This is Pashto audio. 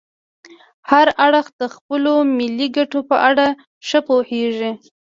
هر اړخ د خپلو ملي ګټو په اړه ښه پوهیږي